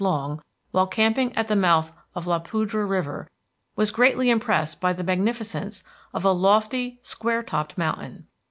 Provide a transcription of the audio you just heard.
Long, while camping at the mouth of La Poudre River, was greatly impressed by the magnificence of a lofty, square topped mountain.